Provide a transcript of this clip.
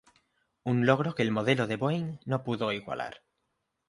Un logro que el modelo de Boeing no pudo igualar.